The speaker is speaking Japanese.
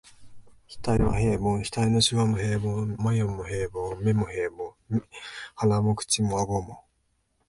額は平凡、額の皺も平凡、眉も平凡、眼も平凡、鼻も口も顎も、